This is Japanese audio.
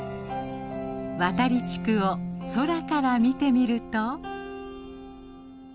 渡利地区を空から見てみると。